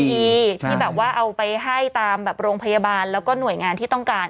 ที่แบบว่าเอาไปให้ตามแบบโรงพยาบาลแล้วก็หน่วยงานที่ต้องการ